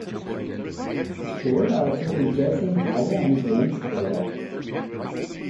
The sport also features in Highland Games there.